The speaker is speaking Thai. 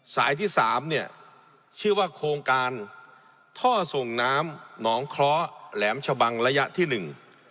สายที่สามเนี่ยชื่อว่าโครงการท่อส่งน้ำหนองเคราะห์แหลมชะบังระยะที่หนึ่ง